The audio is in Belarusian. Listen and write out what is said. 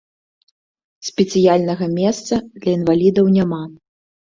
Спецыяльнага месца для інвалідаў няма.